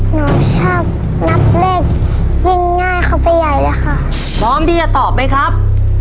หนูชอบนับเลขยิ่งง่ายเข้าไปใหญ่เลยค่ะพร้อมที่จะตอบไหมครับ